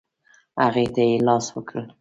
هغې ته یې لاس کړ.